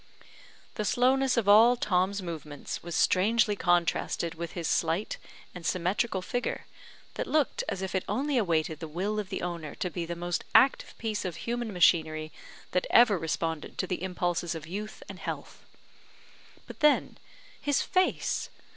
The slowness of all Tom's movements was strangely contrasted with his slight, and symmetrical figure; that looked as if it only awaited the will of the owner to be the most active piece of human machinery that ever responded to the impulses of youth and health. But then, his face!